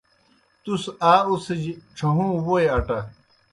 تُس آ اُڅِھجیْ ڇھہُوں ووئی اٹہ۔